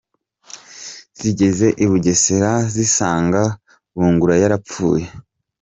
Zigeze i Bugesera, zisanga Bungura yarapfuye.